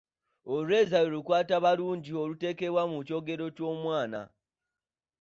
Olweza lw'olukwatabalungi olutekebwa mu kyogero kyo'mwana.